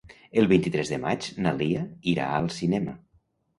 El vint-i-tres de maig na Lia irà al cinema.